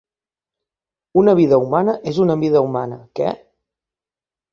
Una vida humana és una vida humana, què?